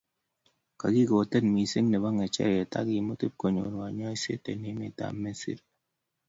kikikoten missing nebo ngecheret akemut ibkonyor konyoiset eng emet ab misri